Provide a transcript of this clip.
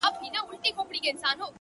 ه ياره کندهار نه پرېږدم ـ